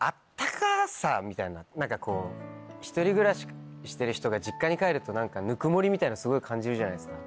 みたいな何かこう１人暮らししてる人が実家に帰ると何かぬくもりみたいのすごい感じるじゃないですか。